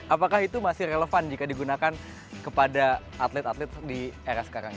apakah itu masih relevan jika digunakan kepada atlet atlet di era sekarang